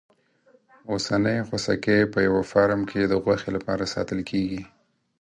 اوسنی خوسکی په یوه فارم کې د غوښې لپاره ساتل کېږي.